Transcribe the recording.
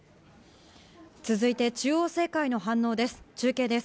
続いて、中央政界の反応です。